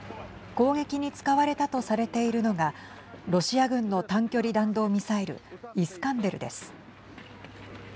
攻撃に使われたとされているのがロシア軍の短距離弾道ミサイルイスカンデルです。